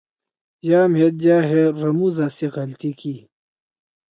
یا مھید یا ہید رموزا سی غلطی کی۔